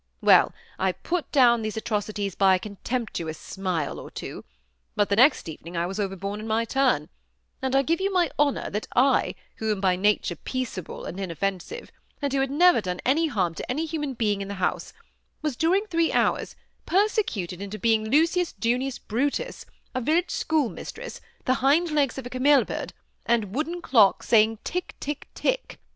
Well, I put down these atrocities by a contemptuous smile or two ; but the next evening I was overborne in my turn ; and I give you my honor, that I, who am by nature peaceable and inofiensive, and who had never done any harm to any human being in that house, was, during three hours, persecuted into being Lucius Junius Brutus, a village schoolmistressi the hind legs of a cameleopard, and a wooden clock saying ^ tick, tick, tick.'